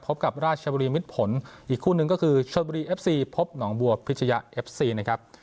พบกับราชบุรีมิดผลอีกคู่หนึ่งก็คือชนบุรีเอฟซีพบหนองบัวพิชยะเอฟซีนะครับ